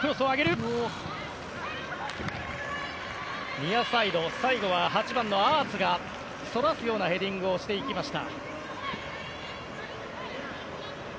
ニアサイド、最後は８番のアーツがそらすようなヘディングをしていきました。